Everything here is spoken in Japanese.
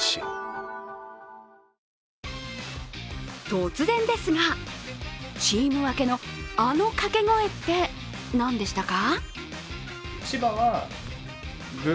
突然ですが、チーム分けのあの掛け声って、何でしたか？